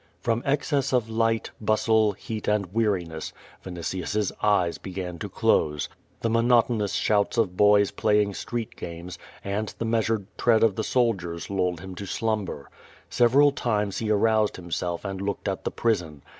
From excess of light, bustle, heat and weariness, Vinitius's eyes began to dose. The monotonous shouts of boys playing street games, and the measured tread of the soldiers lulled him to slumber. Several times he aroused himself and looked at the prison.